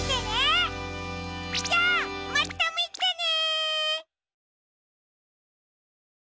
じゃあまたみてね！